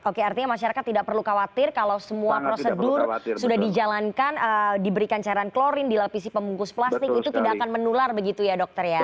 oke artinya masyarakat tidak perlu khawatir kalau semua prosedur sudah dijalankan diberikan cairan klorin dilapisi pembungkus plastik itu tidak akan menular begitu ya dokter ya